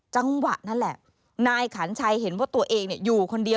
จังหวะนั่นแหละนายขันชัยเห็นว่าตัวเองอยู่คนเดียว